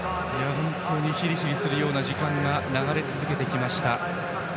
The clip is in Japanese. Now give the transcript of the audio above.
本当にひりひりするような時間が流れ続けてきました。